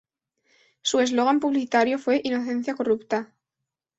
Su eslogan publicitario fue: "Inocencia corrupta".